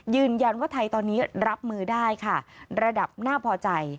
ยืนยันว่าไทยตอนนี้รับมือได้ค่ะระดับน่าพอใจ